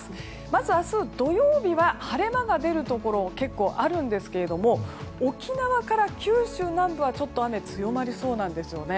まず、明日土曜日は晴れ間が出るところが結構あるんですが沖縄から九州南部はちょっと雨が強まりそうです。